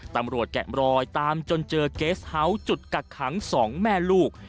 ตำรวจแกะมรอยตามจนเจอเกสเฮ้าส์จุดกักขังสองแม่ลูก